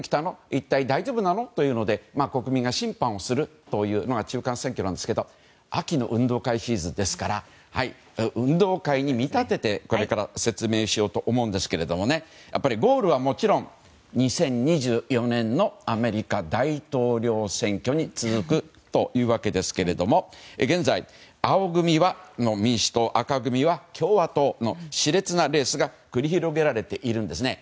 一体大丈夫なの？ということで国民が審判をするという中間選挙なんですけど秋の運動会シーズンですから運動会に見立ててこれから説明しようと思うんですけどもゴールは２０２４年のアメリカ大統領選挙に続くというわけですけども現在、青組の民主党赤組は共和党の熾烈なレースが繰り広げられているんですね。